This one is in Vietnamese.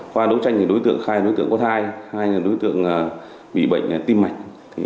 qua đấu tranh thì đối tượng khai đối tượng có thai hai là đối tượng bị bệnh tim mạch